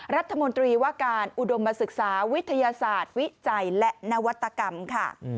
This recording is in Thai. รัฐมนตรีว่าการอุดมศึกษาวิทยาศาสตร์วิจัยและนวัตกรรมค่ะ